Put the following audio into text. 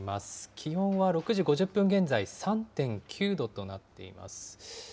気温は６時５０分現在、３．９度となっています。